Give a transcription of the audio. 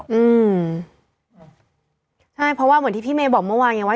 อืมใช่เพราะว่าเหมือนที่พี่เมย์บอกเมื่อวานไงว่า